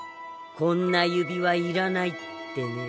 「こんな指輪いらない」ってね。